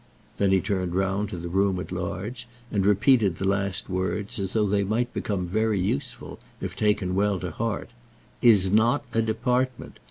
Then he turned round to the room at large, and repeated the last words, as though they might become very useful if taken well to heart "Is not a department.